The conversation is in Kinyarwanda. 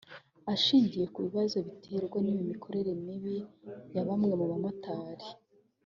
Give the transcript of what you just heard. Ashingiye ku bibazo biterwa n’iyo mikorere mibi ya bamwe mu bamotari